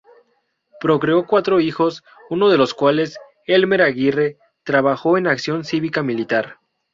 Procreó cuatro hijos, uno de los cuales, Elmer Aguirre, trabajó en Acción Cívica Militar.